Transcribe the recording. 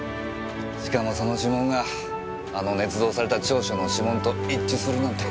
しかもその指紋があの捏造された調書の指紋と一致するなんて。